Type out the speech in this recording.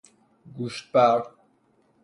گوشت بر